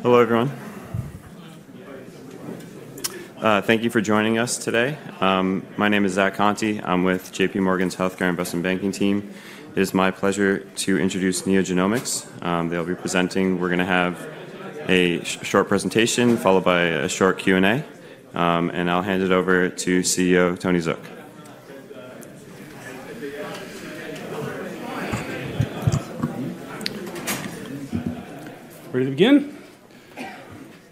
Hello, everyone. Thank you for joining us today. My name is Zach Conte. I'm with JPMorgan's Healthcare Investment Banking team. It is my pleasure to introduce NeoGenomics. They'll be presenting. We're going to have a short presentation followed by a short Q&A, and I'll hand it over to CEO Tony Zook. Ready to begin?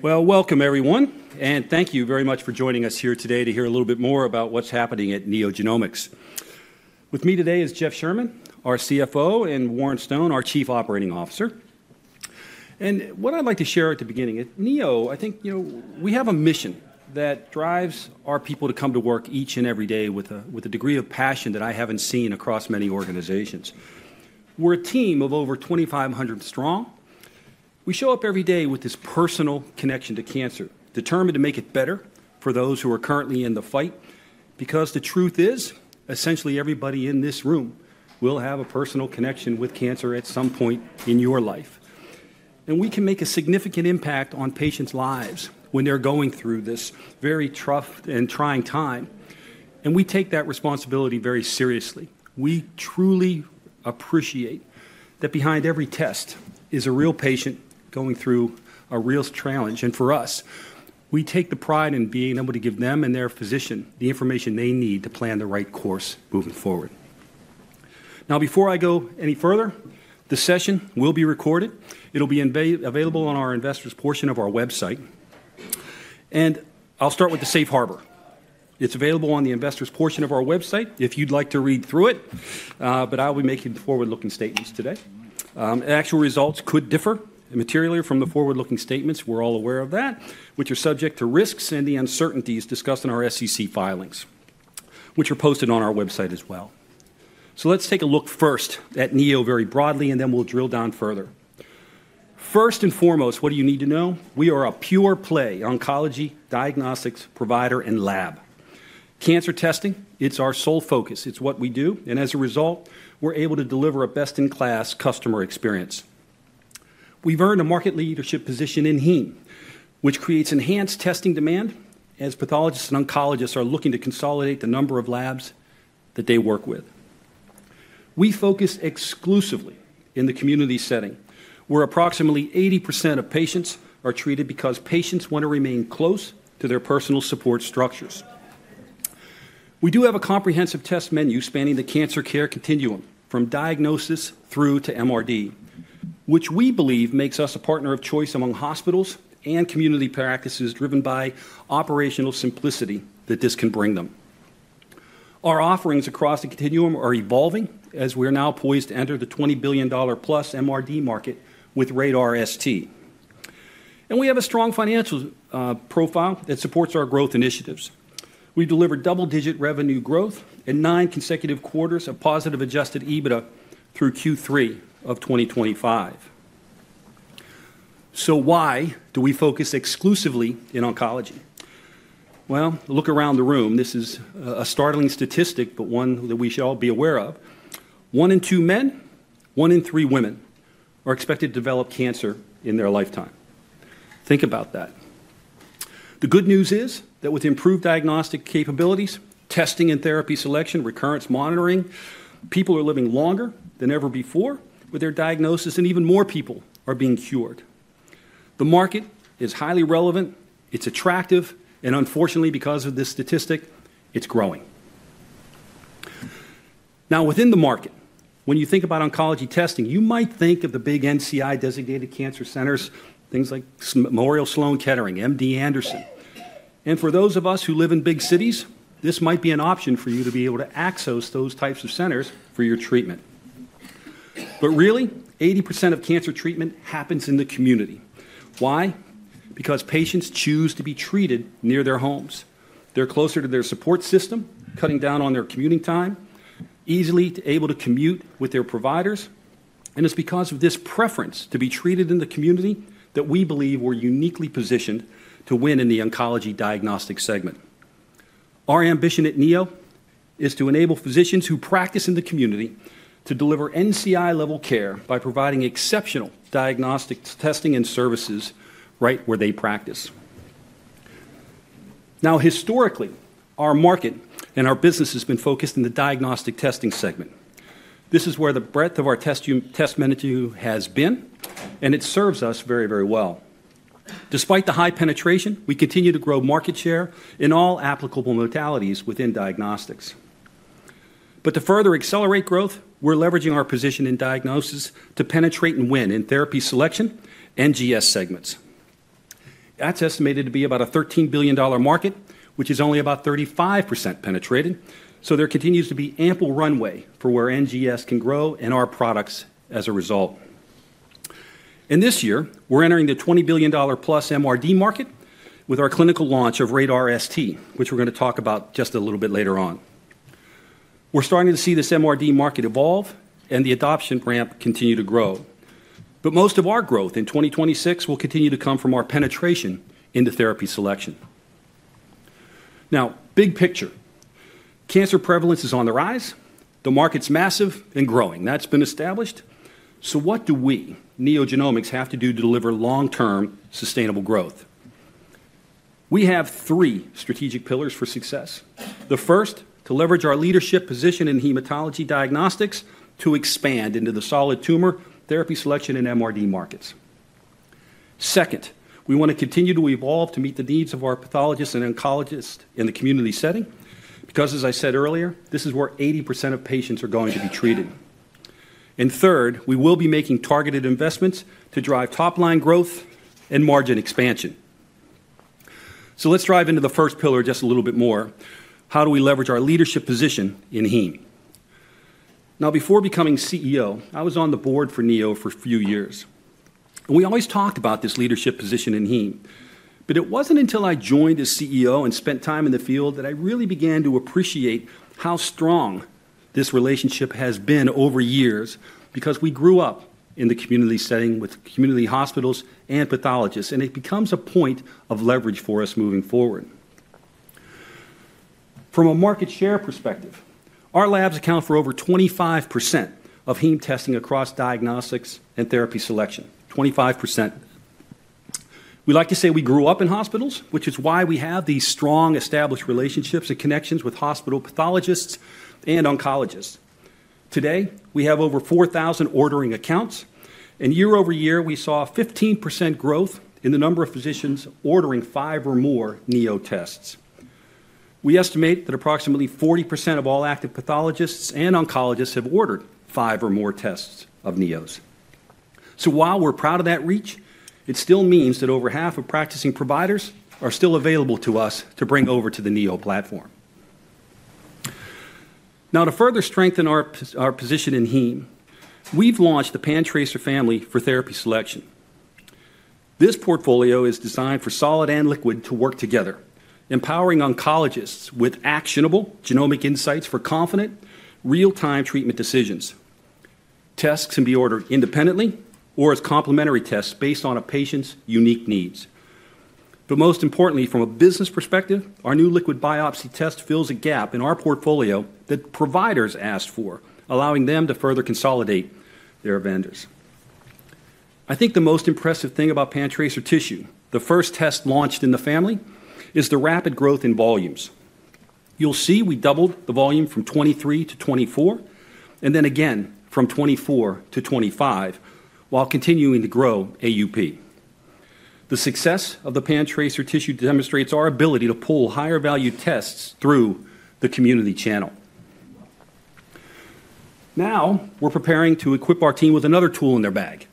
Welcome, everyone, and thank you very much for joining us here today to hear a little bit more about what's happening at NeoGenomics. With me today is Jeff Sherman, our CFO, and Warren Stone, our Chief Operating Officer. What I'd like to share at the beginning, at Neo, I think we have a mission that drives our people to come to work each and every day with a degree of passion that I haven't seen across many organizations. We're a team of over 2,500 strong. We show up every day with this personal connection to cancer, determined to make it better for those who are currently in the fight, because the truth is, essentially everybody in this room will have a personal connection with cancer at some point in your life. We can make a significant impact on patients' lives when they're going through this very tough and trying time. We take that responsibility very seriously. We truly appreciate that behind every test is a real patient going through a real challenge. For us, we take the pride in being able to give them and their physician the information they need to plan the right course moving forward. Now, before I go any further, the session will be recorded. It'll be available on our investors' portion of our website. I'll start with the Safe Harbor. It's available on the investors' portion of our website if you'd like to read through it, but I'll be making forward-looking statements today. Actual results could differ materially from the forward-looking statements. We're all aware of that, which are subject to risks and the uncertainties discussed in our SEC filings, which are posted on our website as well. So let's take a look first at Neo very broadly, and then we'll drill down further. First and foremost, what do you need to know? We are a pure play oncology, diagnostics, provider, and lab. Cancer testing, it's our sole focus. It's what we do. And as a result, we're able to deliver a best-in-class customer experience. We've earned a market leadership position in HEME, which creates enhanced testing demand as pathologists and oncologists are looking to consolidate the number of labs that they work with. We focus exclusively in the community setting, where approximately 80% of patients are treated because patients want to remain close to their personal support structures. We do have a comprehensive test menu spanning the cancer care continuum from diagnosis through to MRD, which we believe makes us a partner of choice among hospitals and community practices driven by operational simplicity that this can bring them. Our offerings across the continuum are evolving as we are now poised to enter the $20 billion-plus MRD market with RaDaR-ST. And we have a strong financial profile that supports our growth initiatives. We've delivered double-digit revenue growth and nine consecutive quarters of positive adjusted EBITDA through Q3 of 2025. So why do we focus exclusively in oncology? Well, look around the room. This is a startling statistic, but one that we should all be aware of. One in two men, one in three women are expected to develop cancer in their lifetime. Think about that. The good news is that with improved diagnostic capabilities, testing and therapy selection, recurrence monitoring, people are living longer than ever before with their diagnosis, and even more people are being cured. The market is highly relevant. It's attractive and unfortunately, because of this statistic, it's growing. Now, within the market, when you think about oncology testing, you might think of the big NCI-designated cancer centers, things like Memorial Sloan Kettering, M.D. Anderson, and for those of us who live in big cities, this might be an option for you to be able to access those types of centers for your treatment, but really, 80% of cancer treatment happens in the community. Why? Because patients choose to be treated near their homes. They're closer to their support system, cutting down on their commuting time, easily able to commute with their providers. It's because of this preference to be treated in the community that we believe we're uniquely positioned to win in the oncology diagnostic segment. Our ambition at Neo is to enable physicians who practice in the community to deliver NCI-level care by providing exceptional diagnostic testing and services right where they practice. Now, historically, our market and our business has been focused in the diagnostic testing segment. This is where the breadth of our test menu has been, and it serves us very, very well. Despite the high penetration, we continue to grow market share in all applicable modalities within diagnostics. But to further accelerate growth, we're leveraging our position in diagnosis to penetrate and win in therapy selection and NGS segments. That's estimated to be about a $13 billion market, which is only about 35% penetrated. So there continues to be ample runway for where NGS can grow and our products as a result. And this year, we're entering the $20 billion-plus MRD market with our clinical launch of RaDaR-ST, which we're going to talk about just a little bit later on. We're starting to see this MRD market evolve and the adoption ramp continue to grow. But most of our growth in 2026 will continue to come from our penetration into therapy selection. Now, big picture, cancer prevalence is on the rise. The market's massive and growing. That's been established. So what do we, NeoGenomics, have to do to deliver long-term sustainable growth? We have three strategic pillars for success. The first, to leverage our leadership position in hematology diagnostics to expand into the solid tumor therapy selection and MRD markets. Second, we want to continue to evolve to meet the needs of our pathologists and oncologists in the community setting because, as I said earlier, this is where 80% of patients are going to be treated, and third, we will be making targeted investments to drive top-line growth and margin expansion, so let's dive into the first pillar just a little bit more. How do we leverage our leadership position in HEME? Now, before becoming CEO, I was on the board for Neo for a few years, and we always talked about this leadership position in HEME, but it wasn't until I joined as CEO and spent time in the field that I really began to appreciate how strong this relationship has been over years because we grew up in the community setting with community hospitals and pathologists, and it becomes a point of leverage for us moving forward. From a market share perspective, our labs account for over 25% of Heme testing across diagnostics and therapy selection, 25%. We like to say we grew up in hospitals, which is why we have these strong established relationships and connections with hospital pathologists and oncologists. Today, we have over 4,000 ordering accounts. And year over year, we saw 15% growth in the number of physicians ordering five or more Neo tests. We estimate that approximately 40% of all active pathologists and oncologists have ordered five or more tests of Neo’s. So while we're proud of that reach, it still means that over half of practicing providers are still available to us to bring over to the Neo platform. Now, to further strengthen our position in Heme, we've launched the PanTracer family for therapy selection. This portfolio is designed for solid and liquid to work together, empowering oncologists with actionable genomic insights for confident, real-time treatment decisions. Tests can be ordered independently or as complementary tests based on a patient's unique needs. But most importantly, from a business perspective, our new liquid biopsy test fills a gap in our portfolio that providers asked for, allowing them to further consolidate their vendors. I think the most impressive thing about PanTracer tissue, the first test launched in the family, is the rapid growth in volumes. You'll see we doubled the volume from 2023 to 2024, and then again from 2024 to 2025 while continuing to grow AUP. The success of the PanTracer tissue demonstrates our ability to pull higher-value tests through the community channel. Now, we're preparing to equip our team with another tool in their bag.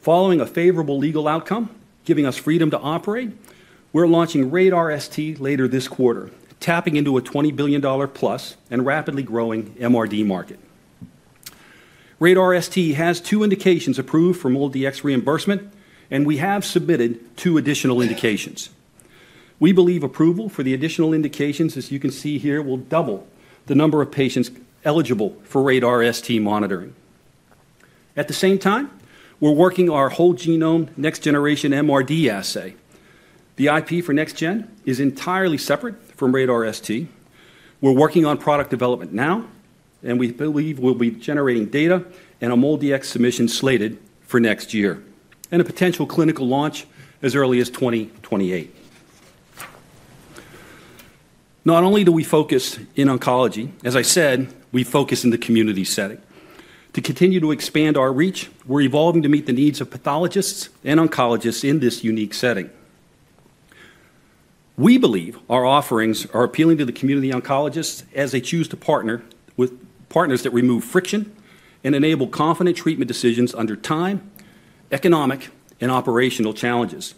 Following a favorable legal outcome, giving us freedom to operate, we're launching RaDaR-ST later this quarter, tapping into a $20 billion-plus and rapidly growing MRD market. RaDaR-ST has two indications approved for MolDX reimbursement, and we have submitted two additional indications. We believe approval for the additional indications, as you can see here, will double the number of patients eligible for RaDaR-ST monitoring. At the same time, we're working our whole genome next-generation MRD assay. The IP for next-gen is entirely separate from RaDaR-ST. We're working on product development now, and we believe we'll be generating data and a MolDX submission slated for next year and a potential clinical launch as early as 2028. Not only do we focus in oncology, as I said, we focus in the community setting. To continue to expand our reach, we're evolving to meet the needs of pathologists and oncologists in this unique setting. We believe our offerings are appealing to the community oncologists as they choose to partner with partners that remove friction and enable confident treatment decisions under time, economic, and operational challenges.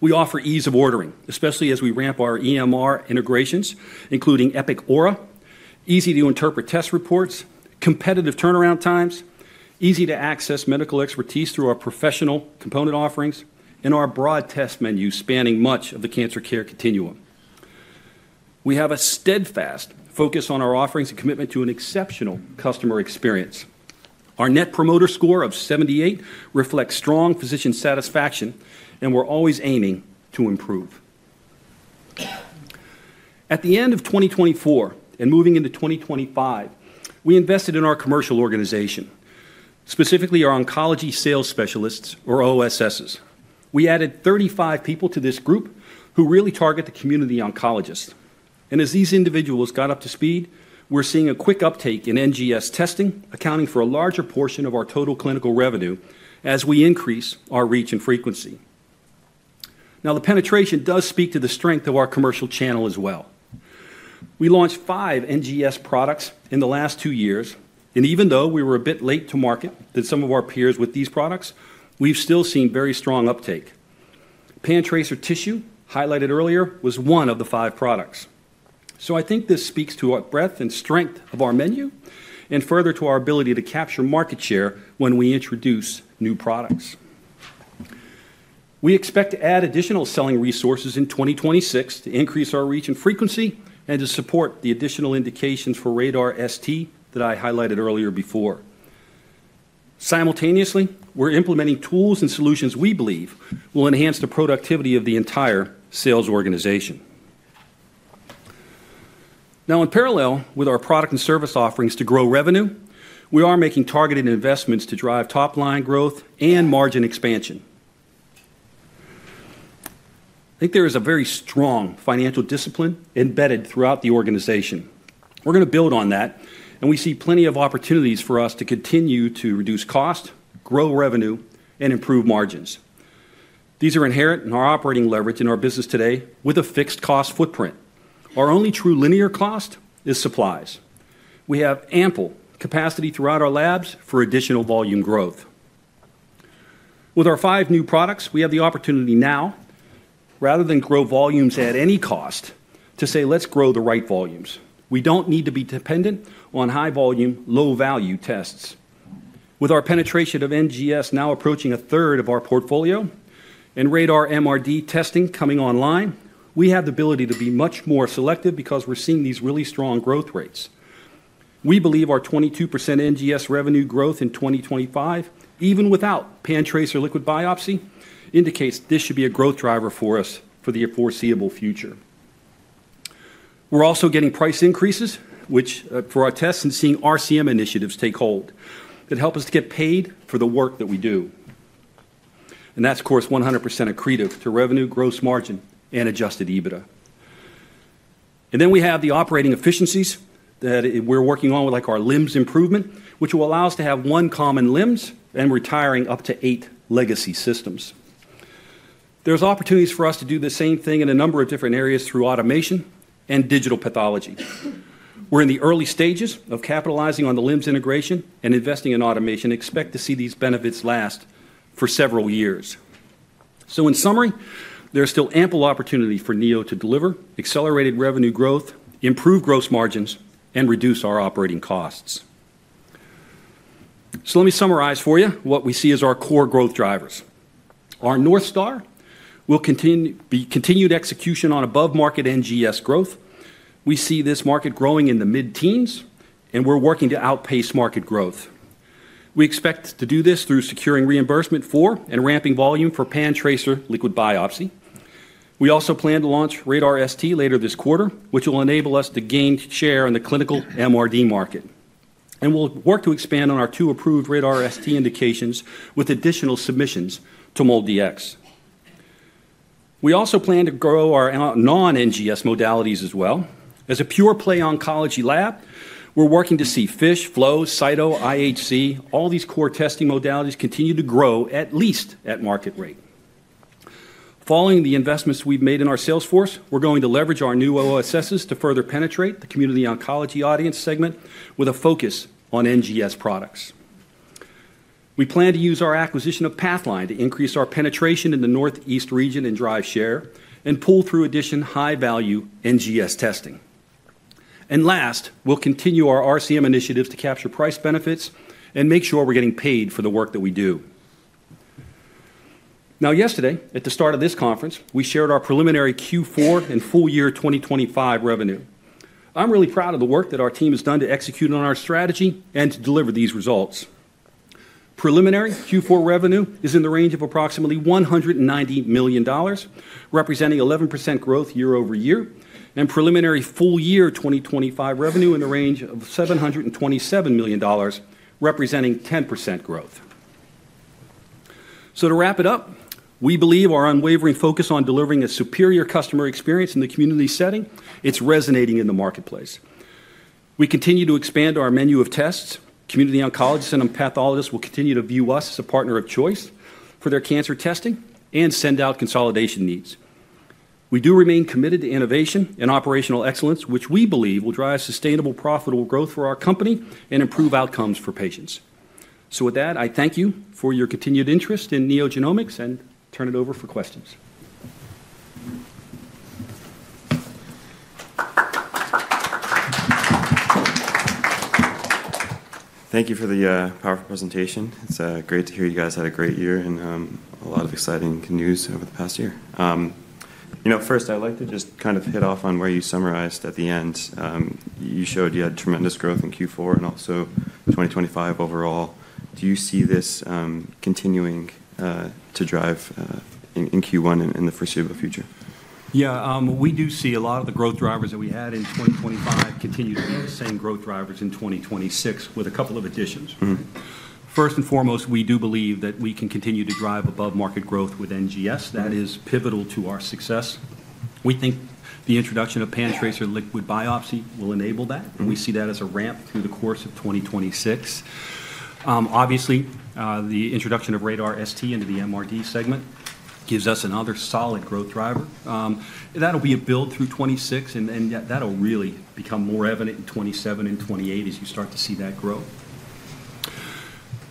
We offer ease of ordering, especially as we ramp our EMR integrations, including Epic Aura, easy-to-interpret test reports, competitive turnaround times, easy-to-access medical expertise through our professional component offerings, and our broad test menu spanning much of the cancer care continuum. We have a steadfast focus on our offerings and commitment to an exceptional customer experience. Our Net Promoter Score of 78 reflects strong physician satisfaction, and we're always aiming to improve. At the end of 2024 and moving into 2025, we invested in our commercial organization, specifically our oncology sales specialists, or OSSs. We added 35 people to this group who really target the community oncologists. And as these individuals got up to speed, we're seeing a quick uptake in NGS testing, accounting for a larger portion of our total clinical revenue as we increase our reach and frequency. Now, the penetration does speak to the strength of our commercial channel as well. We launched five NGS products in the last two years. And even though we were a bit late to market than some of our peers with these products, we've still seen very strong uptake. PanTracer tissue, highlighted earlier, was one of the five products. So I think this speaks to our breadth and strength of our menu and further to our ability to capture market share when we introduce new products. We expect to add additional selling resources in 2026 to increase our reach and frequency and to support the additional indications for RaDaR-ST that I highlighted earlier before. Simultaneously, we're implementing tools and solutions we believe will enhance the productivity of the entire sales organization. Now, in parallel with our product and service offerings to grow revenue, we are making targeted investments to drive top-line growth and margin expansion. I think there is a very strong financial discipline embedded throughout the organization. We're going to build on that, and we see plenty of opportunities for us to continue to reduce cost, grow revenue, and improve margins. These are inherent in our operating leverage in our business today with a fixed cost footprint. Our only true linear cost is supplies. We have ample capacity throughout our labs for additional volume growth. With our five new products, we have the opportunity now, rather than grow volumes at any cost, to say, "Let's grow the right volumes." We don't need to be dependent on high-volume, low-value tests. With our penetration of NGS now approaching a third of our portfolio and RaDaR-MRD testing coming online, we have the ability to be much more selective because we're seeing these really strong growth rates. We believe our 22% NGS revenue growth in 2025, even without PanTracer liquid biopsy, indicates this should be a growth driver for us for the foreseeable future. We're also getting price increases, which for our tests and seeing RCM initiatives take hold that help us to get paid for the work that we do. And that's, of course, 100% accretive to revenue, gross margin, and adjusted EBITDA. And then we have the operating efficiencies that we're working on, like our LIMS improvement, which will allow us to have one common LIMS and retiring up to eight legacy systems. There's opportunities for us to do the same thing in a number of different areas through automation and digital pathology. We're in the early stages of capitalizing on the LIMS integration and investing in automation. Expect to see these benefits last for several years. So in summary, there's still ample opportunity for Neo to deliver accelerated revenue growth, improve gross margins, and reduce our operating costs. So let me summarize for you what we see as our core growth drivers. Our North Star will be continued execution on above-market NGS growth. We see this market growing in the mid-teens, and we're working to outpace market growth. We expect to do this through securing reimbursement for and ramping volume for PanTracer liquid biopsy. We also plan to launch RaDaR-ST later this quarter, which will enable us to gain share in the clinical MRD market. We'll work to expand on our two approved RaDaR-ST indications with additional submissions to MolDX. We also plan to grow our non-NGS modalities as well. As a pure-play oncology lab, we're working to see FISH, flow, cyto, IHC, all these core testing modalities continue to grow at least at market rate. Following the investments we've made in our sales force, we're going to leverage our new OSSs to further penetrate the community oncology audience segment with a focus on NGS products. We plan to use our acquisition of Pathline to increase our penetration in the northeast region and drive share and pull through addition high-value NGS testing. Last, we'll continue our RCM initiatives to capture price benefits and make sure we're getting paid for the work that we do. Now, yesterday, at the start of this conference, we shared our preliminary Q4 and full year 2025 revenue. I'm really proud of the work that our team has done to execute on our strategy and to deliver these results. Preliminary Q4 revenue is in the range of approximately $190 million, representing 11% growth year over year, and preliminary full year 2025 revenue in the range of $727 million, representing 10% growth. So to wrap it up, we believe our unwavering focus on delivering a superior customer experience in the community setting is resonating in the marketplace. We continue to expand our menu of tests. Community oncologists and pathologists will continue to view us as a partner of choice for their cancer testing and send out consolidation needs. We do remain committed to innovation and operational excellence, which we believe will drive sustainable, profitable growth for our company and improve outcomes for patients. So with that, I thank you for your continued interest in NeoGenomics and turn it over for questions. Thank you for the powerful presentation. It's great to hear you guys had a great year and a lot of exciting news over the past year. First, I'd like to just kind of hit off on where you summarized at the end. You showed you had tremendous growth in Q4 and also 2025 overall. Do you see this continuing to drive in Q1 and the foreseeable future? Yeah, we do see a lot of the growth drivers that we had in 2025 continue to be the same growth drivers in 2026 with a couple of additions. First and foremost, we do believe that we can continue to drive above-market growth with NGS. That is pivotal to our success. We think the introduction of PanTracer liquid biopsy will enable that. We see that as a ramp through the course of 2026. Obviously, the introduction of RaDaR-ST into the MRD segment gives us another solid growth driver. That'll be a build through 26, and that'll really become more evident in 27 and 28 as you start to see that grow.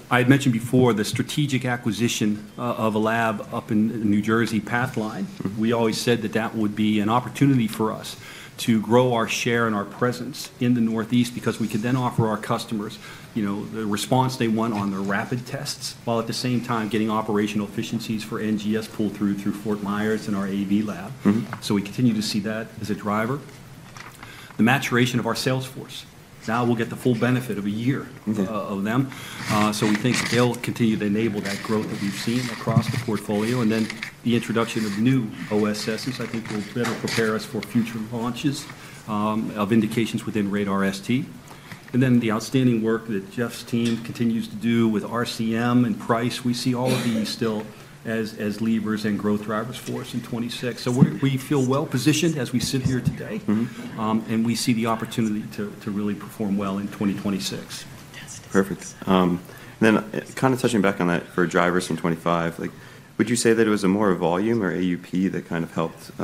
I had mentioned before the strategic acquisition of a lab up in New Jersey, Pathline. We always said that that would be an opportunity for us to grow our share and our presence in the northeast because we could then offer our customers the response they want on their rapid tests while at the same time getting operational efficiencies for NGS pull-through through Fort Myers and our AV lab. So we continue to see that as a driver. The maturation of our sales force. Now we'll get the full benefit of a year of them. So we think they'll continue to enable that growth that we've seen across the portfolio. And then the introduction of new OSSs, I think, will better prepare us for future launches of indications within RaDaR-ST. And then the outstanding work that Jeff's team continues to do with RCM and price. We see all of these still as levers and growth drivers for us in 2026. So we feel well-positioned as we sit here today, and we see the opportunity to really perform well in 2026. Perfect. And then kind of touching back on that for drivers in 25, would you say that it was more a volume or AUP that kind of helped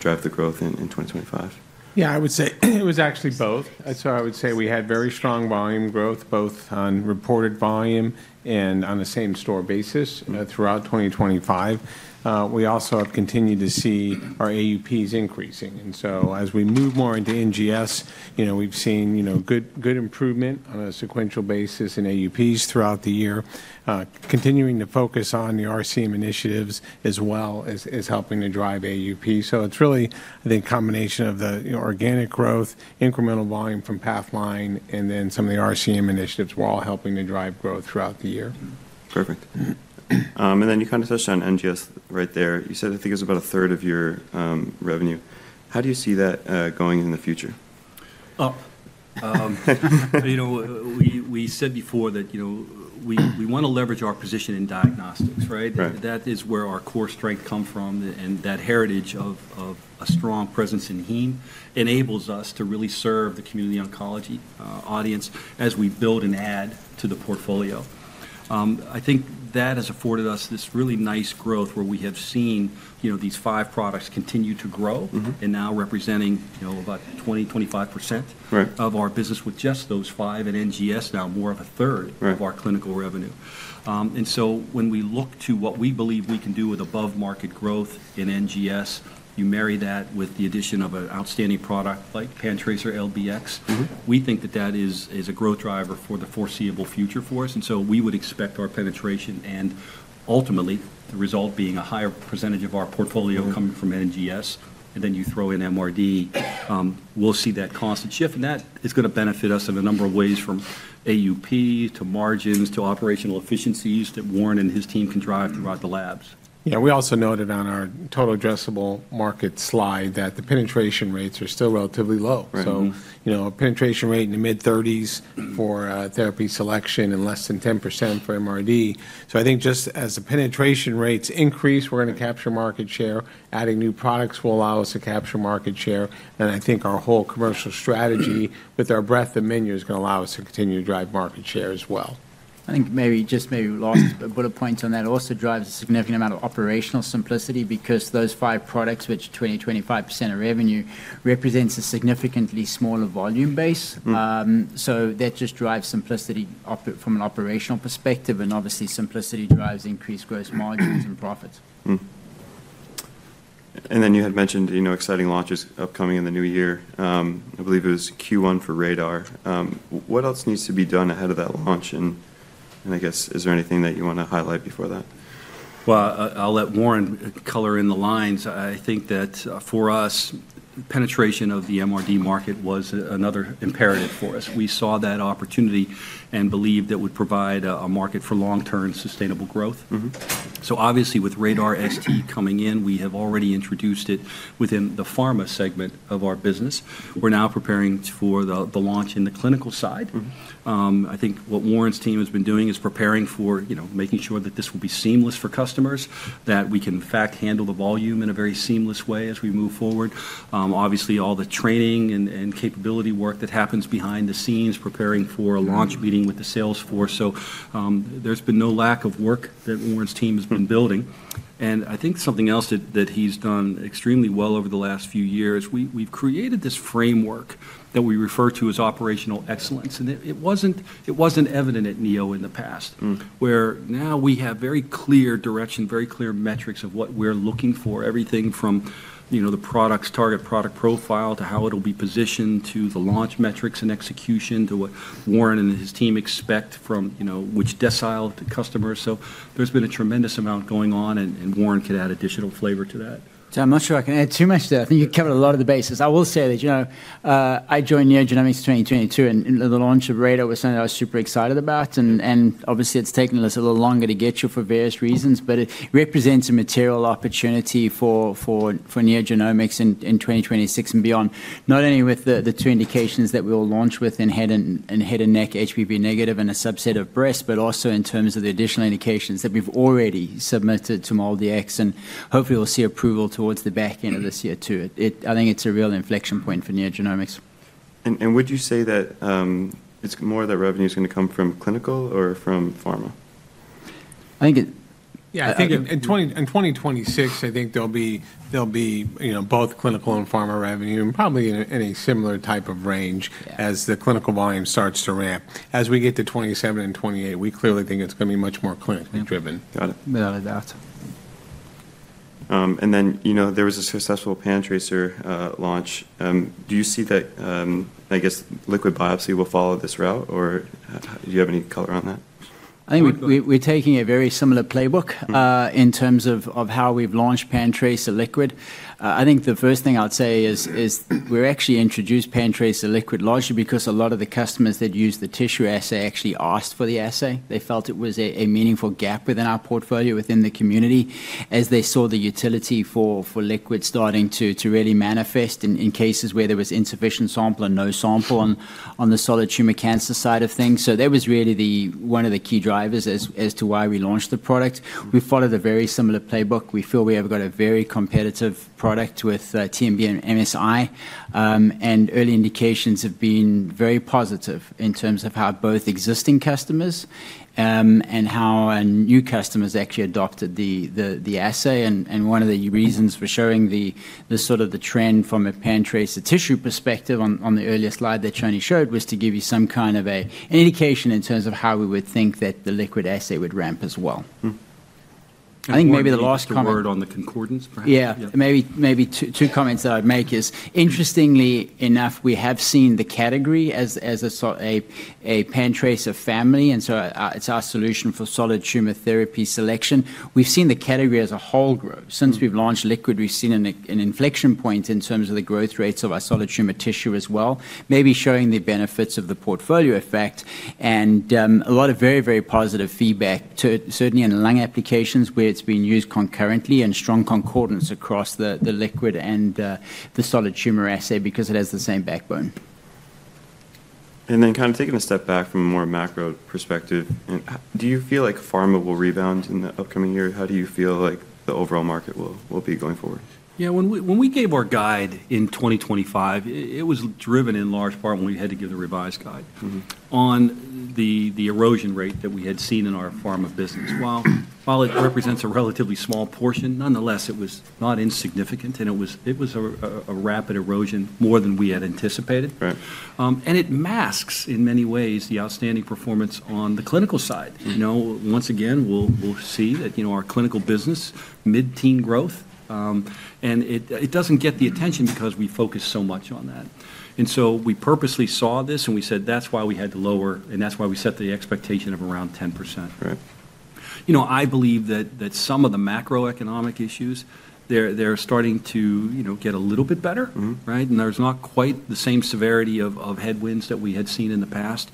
drive the growth in 2025? Yeah, I would say it was actually both. So I would say we had very strong volume growth, both on reported volume and on the same store basis throughout 2025. We also have continued to see our AUPs increasing. And so as we move more into NGS, we've seen good improvement on a sequential basis in AUPs throughout the year, continuing to focus on the RCM initiatives as well as helping to drive AUP. So it's really, I think, a combination of the organic growth, incremental volume from Pathline, and then some of the RCM initiatives were all helping to drive growth throughout the year. Perfect. And then you kind of touched on NGS right there. You said, I think it was about a third of your revenue. How do you see that going in the future? Up. We said before that we want to leverage our position in diagnostics, right? That is where our core strength comes from, and that heritage of a strong presence in Heme enables us to really serve the community oncology audience as we build and add to the portfolio. I think that has afforded us this really nice growth where we have seen these five products continue to grow and now representing about 20%-25% of our business with just those five and NGS now more of a third of our clinical revenue. And so when we look to what we believe we can do with above-market growth in NGS, you marry that with the addition of an outstanding product like PanTracer LBx. We think that that is a growth driver for the foreseeable future for us. And so we would expect our penetration and ultimately the result being a higher percentage of our portfolio coming from NGS. And then you throw in MRD. We'll see that constant shift. And that is going to benefit us in a number of ways from AUP to margins to operational efficiencies that Warren and his team can drive throughout the labs. Yeah, we also noted on our total addressable market slide that the penetration rates are still relatively low. So a penetration rate in the mid-30s for therapy selection and less than 10% for MRD. So I think just as the penetration rates increase, we're going to capture market share. Adding new products will allow us to capture market share. And I think our whole commercial strategy with our breadth of menu is going to allow us to continue to drive market share as well. I think maybe just maybe lost a bit of points on that. It also drives a significant amount of operational simplicity because those five products, which 20%-25% of revenue represents a significantly smaller volume base. So that just drives simplicity from an operational perspective. And obviously, simplicity drives increased gross margins and profits. And then you had mentioned exciting launches upcoming in the new year. I believe it was Q1 for RaDaR. What else needs to be done ahead of that launch? And I guess, is there anything that you want to highlight before that? I'll let Warren color in the lines. I think that for us, penetration of the MRD market was another imperative for us. We saw that opportunity and believed that it would provide a market for long-term sustainable growth. Obviously, with RaDaR-ST coming in, we have already introduced it within the pharma segment of our business. We're now preparing for the launch in the clinical side. I think what Warren's team has been doing is preparing for making sure that this will be seamless for customers, that we can, in fact, handle the volume in a very seamless way as we move forward. Obviously, all the training and capability work that happens behind the scenes, preparing for a launch meeting with the sales force. There's been no lack of work that Warren's team has been building. And I think something else that he's done extremely well over the last few years, we've created this framework that we refer to as operational excellence. And it wasn't evident at Neo in the past, where now we have very clear direction, very clear metrics of what we're looking for, everything from the product's target product profile to how it'll be positioned to the launch metrics and execution to what Warren and his team expect from which decile to customers. So there's been a tremendous amount going on, and Warren could add additional flavor to that. So I'm not sure I can add too much to that. I think you covered a lot of the bases. I will say that I joined NeoGenomics 2022, and the launch of RaDaR was something I was super excited about. And obviously, it's taken us a little longer to get you for various reasons, but it represents a material opportunity for NeoGenomics in 2026 and beyond, not only with the two indications that we will launch within head and neck, HPV negative and a subset of breast, but also in terms of the additional indications that we've already submitted to MolDX. And hopefully, we'll see approval towards the back end of this year too. I think it's a real inflection point for NeoGenomics. Would you say that it's more of the revenue is going to come from clinical or from pharma? Yeah, I think in 2026, I think there'll be both clinical and pharma revenue and probably in a similar type of range as the clinical volume starts to ramp. As we get to 2027 and 2028, we clearly think it's going to be much more clinically driven. Got it. Without a doubt. There was a successful PanTracer launch. Do you see that, I guess, liquid biopsy will follow this route, or do you have any color on that? I think we're taking a very similar playbook in terms of how we've launched PanTracer liquid. I think the first thing I'd say is we actually introduced PanTracer liquid largely because a lot of the customers that used the tissue assay actually asked for the assay. They felt it was a meaningful gap within our portfolio, within the community, as they saw the utility for liquid starting to really manifest in cases where there was insufficient sample and no sample on the solid tumor cancer side of things. So that was really one of the key drivers as to why we launched the product. We followed a very similar playbook. We feel we have got a very competitive product with TMB and MSI, and early indications have been very positive in terms of how both existing customers and how new customers actually adopted the assay. One of the reasons for showing the sort of the trend from a PanTracer tissue perspective on the earlier slide that Shani showed was to give you some kind of an indication in terms of how we would think that the liquid assay would ramp as well. I think maybe the last word on the concordance, perhaps. Yeah, maybe two comments that I'd make is, interestingly enough, we have seen the category as a PanTracer family, and so it's our solution for solid tumor therapy selection. We've seen the category as a whole growth. Since we've launched liquid, we've seen an inflection point in terms of the growth rates of our solid tumor tissue as well, maybe showing the benefits of the portfolio effect and a lot of very, very positive feedback, certainly in lung applications where it's been used concurrently and strong concordance across the liquid and the solid tumor assay because it has the same backbone. And then kind of taking a step back from a more macro perspective, do you feel like pharma will rebound in the upcoming year? How do you feel like the overall market will be going forward? Yeah, when we gave our guide in 2025, it was driven in large part when we had to give the revised guide on the erosion rate that we had seen in our pharma business. While it represents a relatively small portion, nonetheless, it was not insignificant, and it was a rapid erosion more than we had anticipated, and it masks in many ways the outstanding performance on the clinical side. Once again, we'll see that our clinical business, mid-teen growth, and it doesn't get the attention because we focus so much on that, and so we purposely saw this, and we said that's why we had to lower, and that's why we set the expectation of around 10%. I believe that some of the macroeconomic issues, they're starting to get a little bit better, right? And there's not quite the same severity of headwinds that we had seen in the past.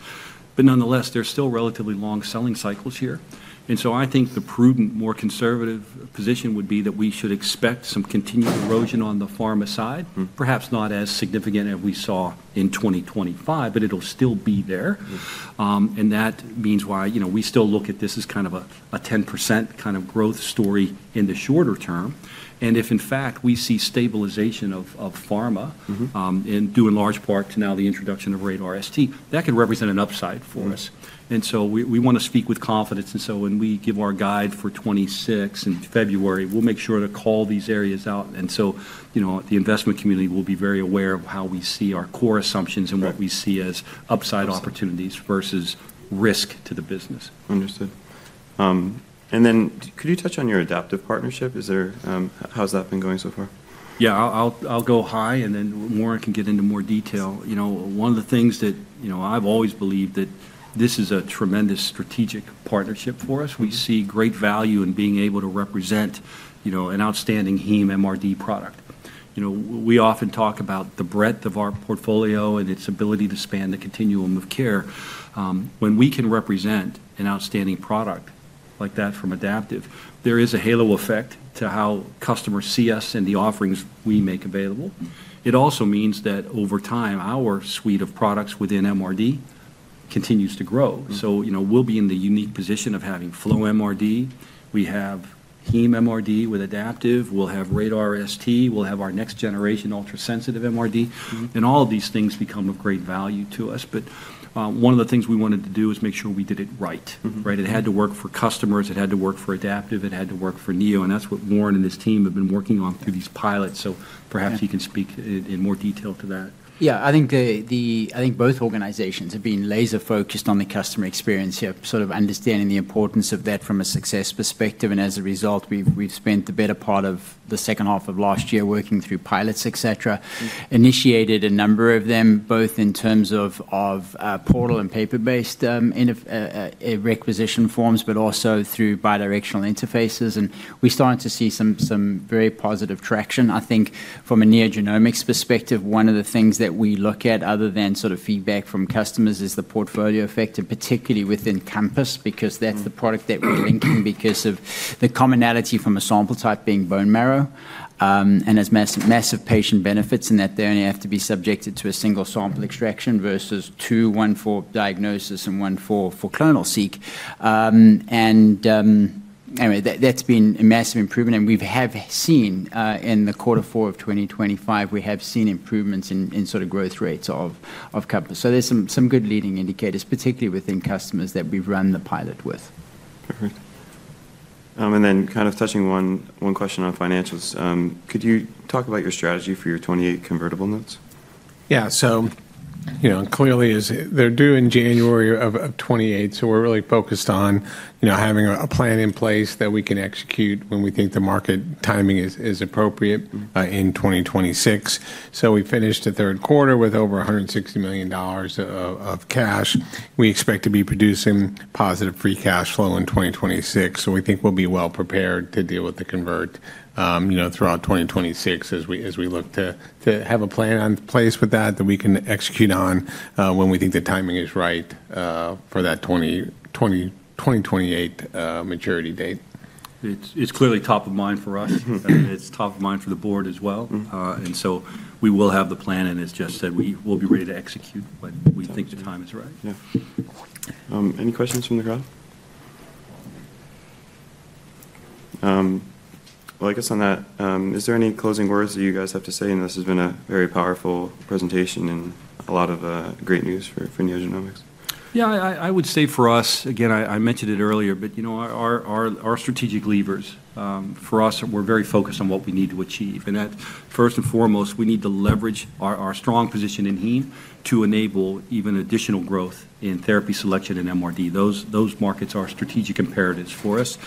But nonetheless, there's still relatively long selling cycles here. And so I think the prudent, more conservative position would be that we should expect some continued erosion on the pharma side, perhaps not as significant as we saw in 2025, but it'll still be there. And that means why we still look at this as kind of a 10% kind of growth story in the shorter term. And if, in fact, we see stabilization of pharma in large part to now the introduction of RaDaR-ST, that could represent an upside for us. And so we want to speak with confidence. And so when we give our guide for 2026 in February, we'll make sure to call these areas out. The investment community will be very aware of how we see our core assumptions and what we see as upside opportunities versus risk to the business. Understood. And then could you touch on your Adaptive partnership? How's that been going so far? Yeah, I'll go high, and then Warren can get into more detail. One of the things that I've always believed that this is a tremendous strategic partnership for us. We see great value in being able to represent an outstanding heme MRD product. We often talk about the breadth of our portfolio and its ability to span the continuum of care. When we can represent an outstanding product like that from Adaptive, there is a halo effect to how customers see us and the offerings we make available. It also means that over time, our suite of products within MRD continues to grow. So we'll be in the unique position of having flow MRD. We have heme MRD with Adaptive. We'll have RaDaR-ST. We'll have our next generation ultra-sensitive MRD. And all of these things become of great value to us. But one of the things we wanted to do is make sure we did it right, right? It had to work for customers. It had to work for Adaptive. It had to work for Neo. And that's what Warren and his team have been working on through these pilots. So perhaps he can speak in more detail to that. Yeah, I think both organizations have been laser-focused on the customer experience here, sort of understanding the importance of that from a success perspective. And as a result, we've spent the better part of the second half of last year working through pilots, et cetera, initiated a number of them, both in terms of portal and paper-based requisition forms, but also through bidirectional interfaces. And we started to see some very positive traction. I think from a NeoGenomics perspective, one of the things that we look at other than sort of feedback from customers is the portfolio effect, and particularly within Compass, because that's the product that we're linking because of the commonality from a sample type being bone marrow and has massive patient benefits in that they only have to be subjected to a single sample extraction versus two, one for diagnosis and one for ClonoSEQ. Anyway, that's been a massive improvement. We have seen in quarter four of 2025, we have seen improvements in sort of growth rates of Compass. There's some good leading indicators, particularly within customers that we've run the pilot with. Perfect and then, kind of touching one question on financials, could you talk about your strategy for your 2028 convertible notes? Yeah, so clearly they're due in January of 2028. So we're really focused on having a plan in place that we can execute when we think the market timing is appropriate in 2026. So we finished the third quarter with over $160 million of cash. We expect to be producing positive free cash flow in 2026. So we think we'll be well prepared to deal with the convert throughout 2026 as we look to have a plan in place with that we can execute on when we think the timing is right for that 2028 maturity date. It's clearly top of mind for us. It's top of mind for the board as well. And so we will have the plan, and as Jeff said, we will be ready to execute when we think the time is right. Yeah. Any questions from the crowd? I guess on that, is there any closing words that you guys have to say? This has been a very powerful presentation and a lot of great news for NeoGenomics. Yeah, I would say for us, again, I mentioned it earlier, but our strategic levers, for us, we're very focused on what we need to achieve, and that, first and foremost, we need to leverage our strong position in heme to enable even additional growth in therapy selection and MRD. Those markets are strategic imperatives for us.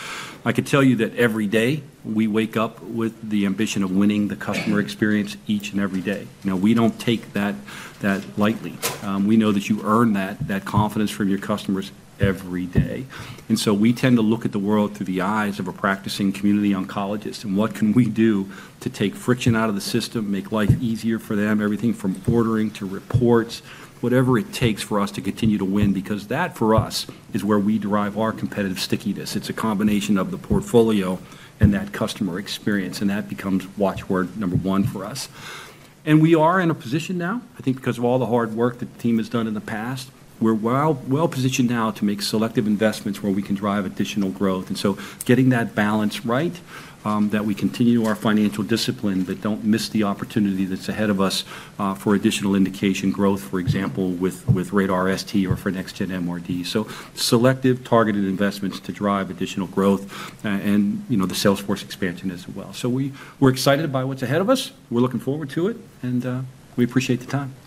I could tell you that every day we wake up with the ambition of winning the customer experience each and every day. Now, we don't take that lightly. We know that you earn that confidence from your customers every day, and so we tend to look at the world through the eyes of a practicing community oncologist. And what can we do to take friction out of the system, make life easier for them, everything from ordering to reports, whatever it takes for us to continue to win? Because that, for us, is where we derive our competitive stickiness. It's a combination of the portfolio and that customer experience. And that becomes watchword number one for us. And we are in a position now, I think because of all the hard work that the team has done in the past, we're well positioned now to make selective investments where we can drive additional growth. And so getting that balance right, that we continue our financial discipline, but don't miss the opportunity that's ahead of us for additional indication growth, for example, with RaDaR-ST or for next-gen MRD. So selective, targeted investments to drive additional growth and the sales force expansion as well. So we're excited by what's ahead of us. We're looking forward to it, and we appreciate the time. Thank you.